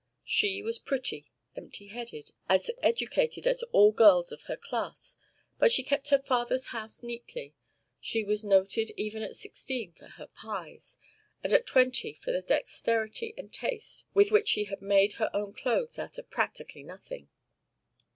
She was pretty, empty headed, as ill educated as all girls of her class, but she kept her father's house neatly, she was noted even at sixteen for her pies, and at twenty for the dexterity and taste with which she made her own clothes out of practically nothing.